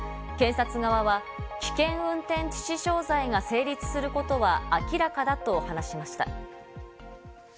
検察側は危険運転致死傷罪が成立することは明らかだと話しました。